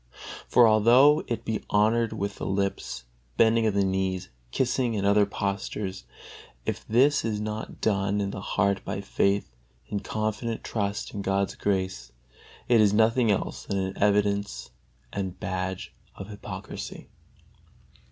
For although it be honored with the lips, bending of the knees, kissing and other postures, if this is not done in the heart by faith, in confident trust in God's grace, it is nothing else than an evidence and badge of hypocrisy.